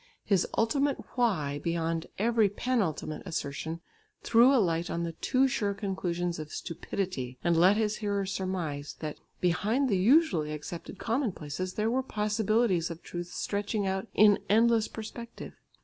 His ultimate "why?" behind every penultimate assertion threw a light on the too sure conclusions of stupidity, and let his hearer surmise that behind the usually accepted commonplaces there were possibilities of truths stretching out in endless perspective.